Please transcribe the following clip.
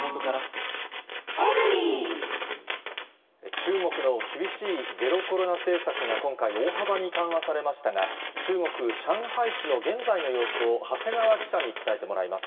中国の厳しいゼロコロナ政策が今回、大幅に緩和されましたが、中国・上海市の現在の様子を長谷川記者に伝えてもらいます。